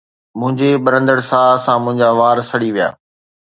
منهنجي ٻرندڙ ساهه سان منهنجا وار سڙي ويا